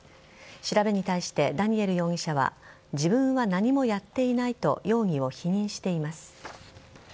調べに対して、ダニエル容疑者は自分は何もやっていないと容疑を否認しています。